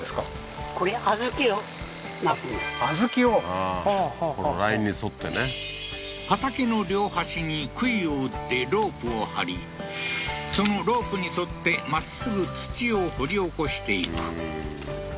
はあはあ畑の両端に杭を打ってロープを張りそのロープに沿ってまっすぐ土を掘り起こしていく